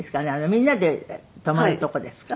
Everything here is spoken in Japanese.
みんなで泊まるとこですか？